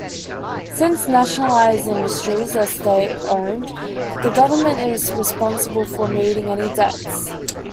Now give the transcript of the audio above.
Since nationalized industries are state owned, the government is responsible for meeting any debts.